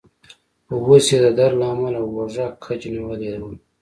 خو اوس يې د درد له امله اوږه کج نیولې وه.